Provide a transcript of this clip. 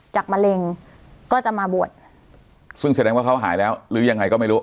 มะเร็งก็จะมาบวชซึ่งแสดงว่าเขาหายแล้วหรือยังไงก็ไม่รู้